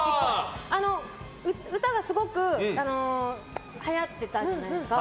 歌がすごくはやってたじゃないですか。